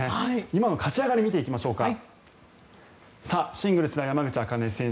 今の勝ち上がりを見ていきましょうか。